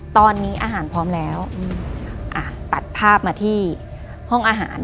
ตอนนี้อาหารพร้อมแล้วอ่ะตัดภาพมาที่ห้องอาหาร